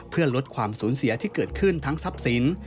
เพื่อลดความสูญเสียที่เกิดขึ้นทั้งทรัพย์สิน